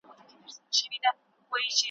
په وفا به مو سوګند وي یو د بل په مینه ژوند وي `